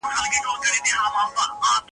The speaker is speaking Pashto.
نیلی مړ سو دښمن مات سو تښتېدلی ,